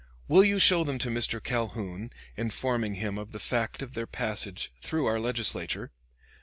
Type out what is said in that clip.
Will you show them to Mr. Calhoun, informing him of the fact of their passage through our Legislature!